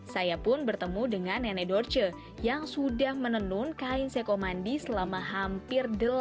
saya pun bertemu dengan nenek dorce yang sudah menenun kain sekomandi selama hampir